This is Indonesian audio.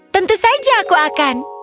tentu saja aku akan